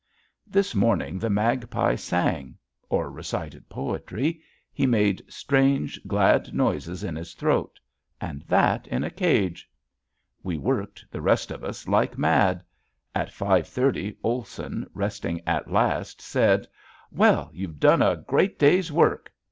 This morning the magpie sang or recited poetry; he made strange glad noises in his throat and that in a cage! We worked, the rest of us, like mad. At five thirty Olson, resting at last, said: "Well, you've done a great day's work."